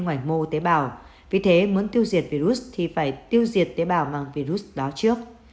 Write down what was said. ngoài mô tế bào vì thế muốn tiêu diệt virus thì phải tiêu diệt tế bào mang virus đó trước